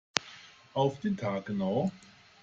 Auf den Tag genau.